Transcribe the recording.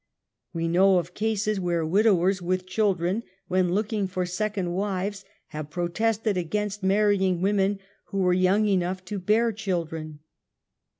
We know of cases where widowers with children ^ when looking for second wives, have protested "^j against marrying women w^ho were young enough \o bear children.